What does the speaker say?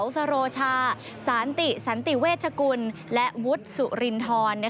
สโรชาสานติสันติเวชกุลและวุฒิสุรินทร